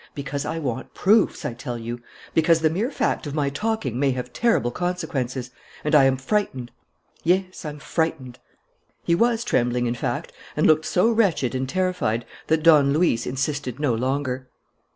"Because I want proofs, I tell you; because the mere fact of my talking may have terrible consequences and I am frightened; yes, I'm frightened " He was trembling, in fact, and looked so wretched and terrified that Don Luis insisted no longer.